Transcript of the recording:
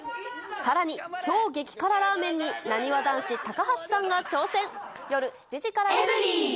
さらに、超激辛ラーメンに、なにわ男子・高橋さんが挑戦。